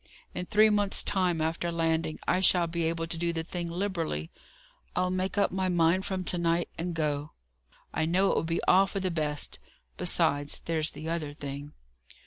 In three months' time after landing, I shall be able to do the thing liberally. I'll make up my mind from to night, and go: I know it will be all for the best. Besides, there's the other thing."